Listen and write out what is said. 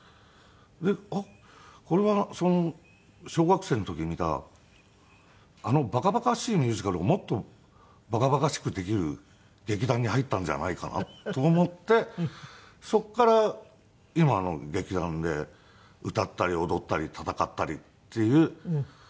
あっこれは小学生の時に見たあの馬鹿馬鹿しいミュージカルをもっと馬鹿馬鹿しくできる劇団に入ったんじゃないかなと思ってそこから今の劇団で歌ったり踊ったり戦ったりっていう。